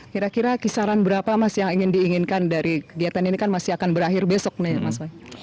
kira kira kisaran berapa mas yang ingin diinginkan dari kegiatan ini kan masih akan berakhir besok nih mas